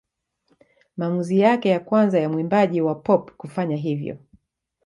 Maamuzi yake ya kwanza ya mwimbaji wa pop kufanya hivyo.